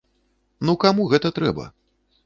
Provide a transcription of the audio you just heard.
Ну каму гэта трэба?